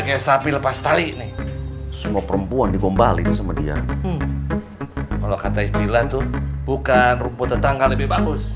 kebayang tuh si aceh